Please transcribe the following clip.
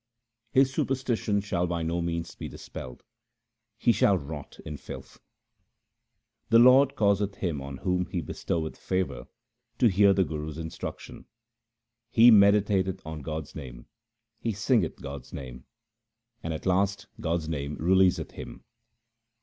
His superstition shall by no means be dispelled ; he shall rot in filth. My Lord causeth him on whom He bestoweth favour to hear the Guru's instruction. He meditateth on God's name, he singeth God's name, and at last God's name releaseth him.